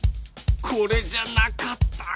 これじゃなかった！